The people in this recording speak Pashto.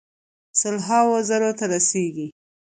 سل هاوو زرو ته رسیږي.